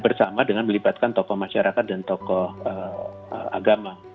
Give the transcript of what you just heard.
bersama dengan melibatkan tokoh masyarakat dan tokoh agama